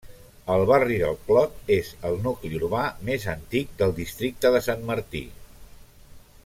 El barri del Clot és el nucli urbà més antic del districte de Sant Martí.